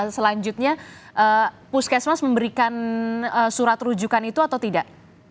selanjutnya puskesmas memberikan surat rujukan itu atau tidak